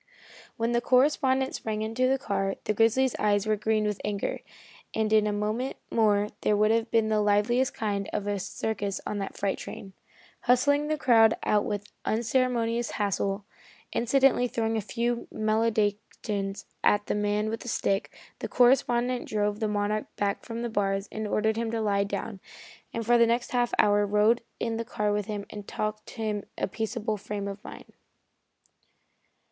When the correspondent sprang into the car, the grizzly's eyes were green with anger, and in a moment more there would have been the liveliest kind of a circus on that freight train. Hustling the crowd out with unceremonious haste incidentally throwing a few maledictions at the man with the stick the correspondent drove the Monarch back from the bars, and ordered him to lie down, and for the next half hour rode in the car with him and talked him into a peaceable frame of mind.